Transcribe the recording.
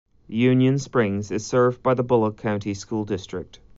Union Springs is served by the Bullock County School District.